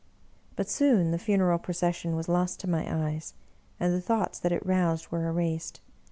But soon the funeral procession was lost to my eyes, and the thoughts that it roused were erased.